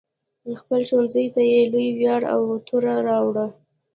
خپل ښوونځي ته یې لوی ویاړ او توره راوړه.